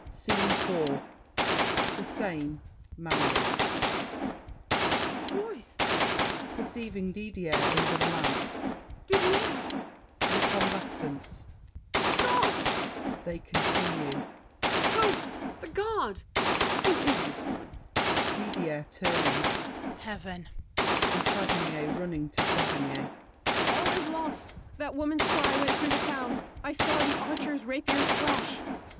SCENE IV The same. Marion MARION. What is this noise? [Perceiving Didier under the lamp. Didier! [To the combatants.] Stop! [They continue.] Ho! The guard! SAVERNY. Who is this woman? DIDIER (turning). Heaven! BOUCHAVANNES (running, to Saverny). All is lost! That woman's cry went through the town. I saw the archers' rapiers flash.